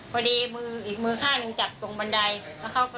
มืออีกมือข้างหนึ่งจับตรงบันไดแล้วเขาก็